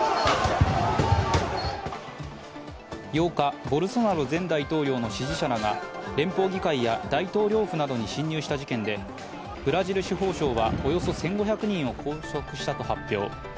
８日、ボルソナロ前大統領の支持者らが連邦議会や大統領府などに侵入した事件でブラジル司法省はおよそ１５００人を拘束したと発表。